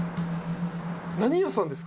何屋さんですか？